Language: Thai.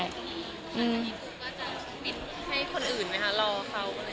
ก็จะมิดให้คนอื่นไหมคะรอเขา